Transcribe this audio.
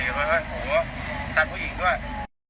เฮ้ยมาเตรียมเลยเฮ้ยโหตั้งผู้หญิงด้วย